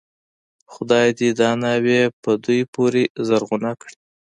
خدای دې دا ناوې په دوی پورې زرغونه کړي.